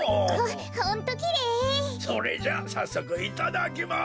それじゃあさっそくいただきます！